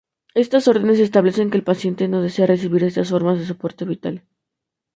Estas órdenes establecen que el paciente no desea recibir estas formas de soporte vital.